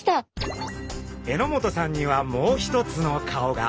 榎本さんにはもう一つの顔が。